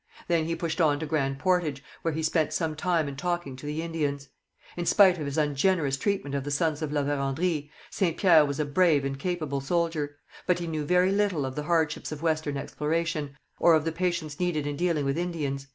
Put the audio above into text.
Then he pushed on to Grand Portage, where he spent some time in talking to the Indians. In spite of his ungenerous treatment of the sons of La Vérendrye, Saint Pierre was a brave and capable soldier; but he knew very little of the hardships of western exploration, or of the patience needed in dealing with Indians.